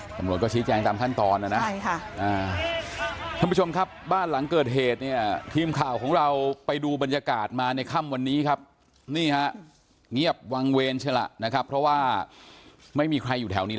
ตำรวจก็ชี้แจงตามขั้นตอนนะนะ